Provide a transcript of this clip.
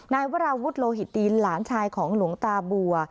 นายวราวุฒิโลหิตินหลานชายของหลวงตาบัว